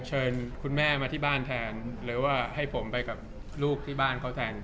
เชิญคุณแม่มาที่บ้านแทนหรือว่าให้ผมไปกับลูกที่บ้านเขาแทน